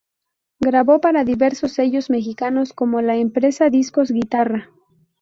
Grabó para diversos sellos mexicanos como la empresa Discos Guitarra.